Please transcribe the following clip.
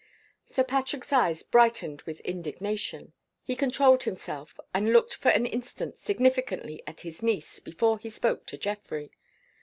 Sir Patrick's eyes brightened with indignation. He controlled himself, and looked for an instant significantly at his niece before he spoke to Geoffrey.